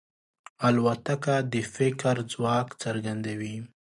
الوتکه د فکر ځواک څرګندوي.